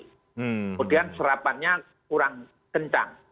kemudian serapannya kurang kentang